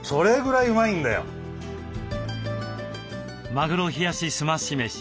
「マグロ冷やしすまし飯」。